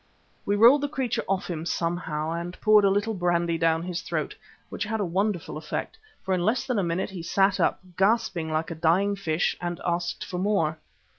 We rolled the creature off him somehow and poured a little brandy down his throat, which had a wonderful effect, for in less than a minute he sat up, gasping like a dying fish, and asked for more.